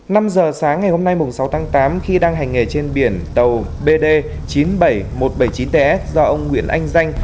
năm h sáng ngày hôm nay sáu tám khi đang hành nghề trên biển tàu bd chín trăm bảy mươi một bảy mươi chín ts do ông nguyễn anh danh